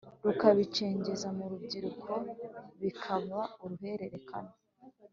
rukabicengeza mu rubyiruko bikaba uruhererekane